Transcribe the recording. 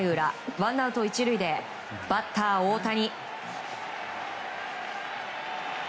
ワンアウト１塁でバッター、大谷。